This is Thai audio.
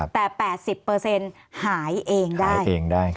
แต่๘๐หายเองได้